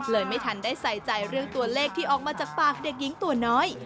ไม่ทันได้ใส่ใจเรื่องตัวเลขที่ออกมาจากปากเด็กหญิงตัวน้อย